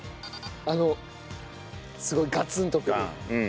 あのすごいガツンと来る。